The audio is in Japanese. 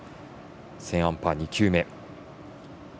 セーンアンパー、２球目。